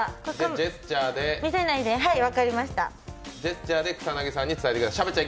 ジェスチャーで草薙さんに伝えてください。